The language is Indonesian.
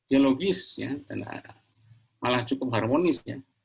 ya logis ya dan malah cukup harmonis ya